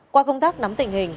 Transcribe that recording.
qua công tác nắm tình hình